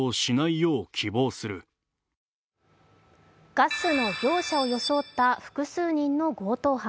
ガスの業者を装った複数人の強盗犯。